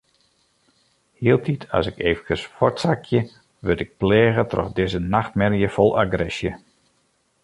Hieltyd as ik eefkes fuortsakje, wurd ik pleage troch dizze nachtmerje fol agresje.